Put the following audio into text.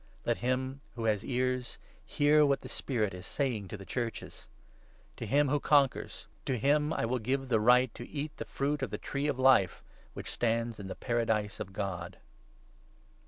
Let him who has 7 ears hear what the Spirit is saying to the Churches. To him who conquers — to him I will give the right ' to eat the fruit of the Tree of Life, which stands in the Paradise of God.'